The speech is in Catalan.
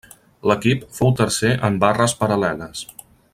L'equip fou tercer en barres paral·leles.